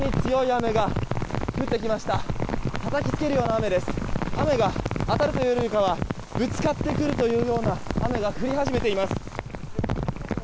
雨が当たるというよりはぶつかってくるというような雨が降り始めています。